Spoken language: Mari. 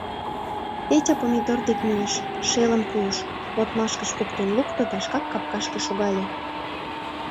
Петя Помидор дек мийыш, шелын пуыш, модмаш гыч поктен лукто да шкак капкашке шогале.